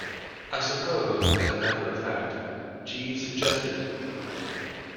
I suppose, as a matter of fact, Jeeves suggested it.